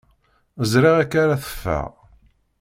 Ẓriɣ akka ara teffeɣ.